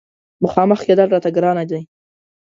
مخامخ کېدل راته ګرانه دي.